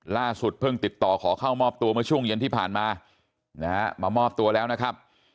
ล่าสุดเพิ่งติดต่อขอเข้ามอบตัวเมื่อช่วงเย็นที่ผ่านมานะฮะมามอบตัวแล้วนะครับ